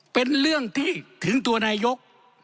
เป็นเรื่องที่ถึงตัวนายก